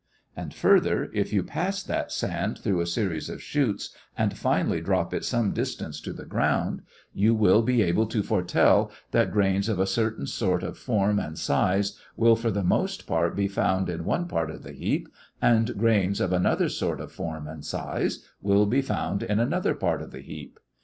And further, if you pass that sand through a series of shoots and finally drop it some distance to the ground, you will be able to foretell that grains of a certain sort of form and size will for the most part be found in one part of the heap and grains of another sort of form and size will be found in another part of the heap.